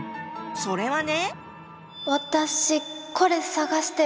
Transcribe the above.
それはね。